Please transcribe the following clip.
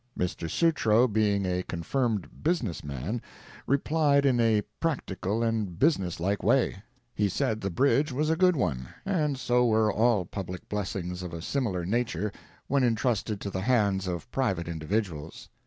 Mr. Sutro being a confirmed businessman, replied in a practical and businesslike way. He said the bridge was a good one, and so were all public blessings of a similar nature when entrusted to the hands of private individuals.